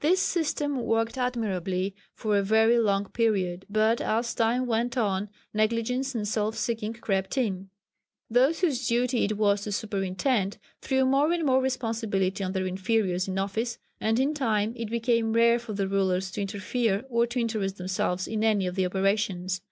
This system worked admirably for a very long period. But as time went on negligence and self seeking crept in. Those whose duty it was to superintend, threw more and more responsibility on their inferiors in office, and in time it became rare for the rulers to interfere or to interest themselves in any of the operations.